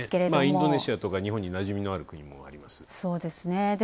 インドネシアとか日本になじみの深い国もありますけど。